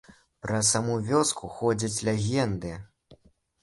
Пра саму вёску ходзяць легенды.